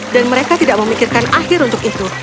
dan mereka tidak memikirkan akhir untuknya